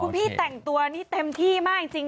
คุณพี่แต่งตัวนี่เต็มที่มากจริง